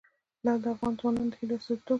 لعل د افغان ځوانانو د هیلو استازیتوب کوي.